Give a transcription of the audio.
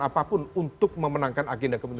apapun untuk memenangkan agenda kemudian